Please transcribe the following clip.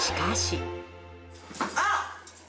あっ！